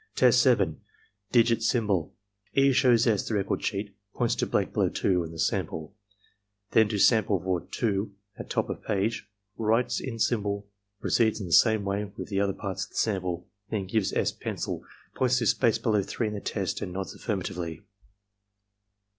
Test 7.— Digit Symbol E. shows S. the record sheet, points to blank below 2 in the sample, then to symbol for 2 at top of page, writes in symbol, proceeds in the same way with the other parts of the sample, then gives S. pencil, points to space below 3 in the test, and nods affirmatively.